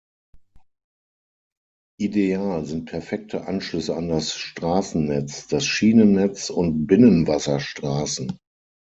Ideal sind perfekte Anschlüsse an das Straßennetz, das Schienennetz und Binnenwasserstraßen.